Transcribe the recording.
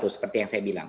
seperti yang saya bilang